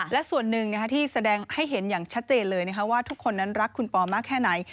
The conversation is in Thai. และส่วนหนึ่งที่แสดงให้เห็นอย่างชัดเจนเลยว่าทุกคนนั้นรักคุณปอมากแค่ไหน